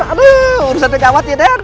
aduh urusan di gawat den